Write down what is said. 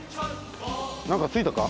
なんかついたか？